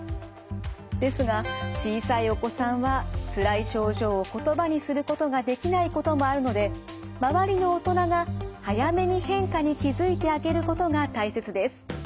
てすが小さいお子さんはつらい症状を言葉にすることができないこともあるので周りの大人が早めに変化に気付いてあげることが大切です。